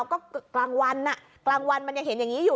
ก็กลางวันกลางวันมันยังเห็นอย่างนี้อยู่